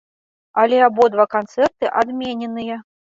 Але абодва канцэрты адмененыя.